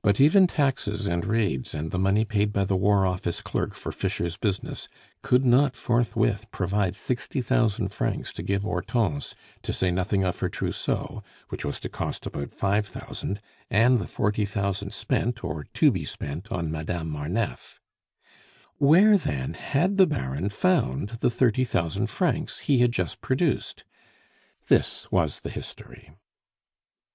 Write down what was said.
But even taxes and raids and the money paid by the War Office clerk for Fischer's business could not forthwith provide sixty thousand francs to give Hortense, to say nothing of her trousseau, which was to cost about five thousand, and the forty thousand spent or to be spent on Madame Marneffe. Where, then had the Baron found the thirty thousand francs he had just produced? This was the history.